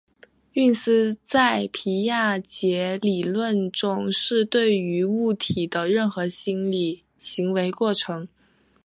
运思在皮亚杰理论中是对于物体的任何心理行为过程。